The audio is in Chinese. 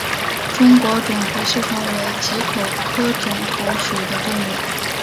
中国肿头吸虫为棘口科肿头属的动物。